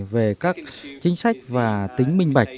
về các chính sách và tính minh bạch